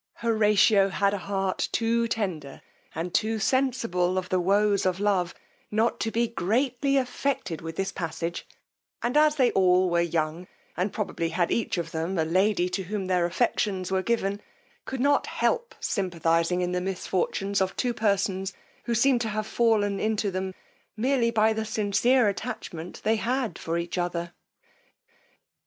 Horatio had a heart too tender, and too sensible of the woes of love, not to be greatly affected with this passage; and as they all were young, and probably had each of them a lady to whom their affections were given, could not help sympathizing in the misfortunes of two persons who seemed to have fallen into them merely by the sincere attachment they had for each other.